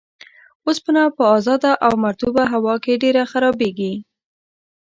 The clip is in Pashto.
اوسپنه په ازاده او مرطوبه هوا کې ډیر خرابیږي.